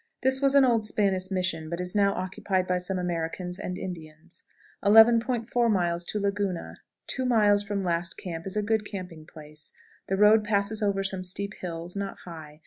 This was an old Spanish mission, but is now occupied by some Americans and Indians. 11.40. Laguna. Two miles from last camp is a good camping place. The road passes over some steep hills, not high.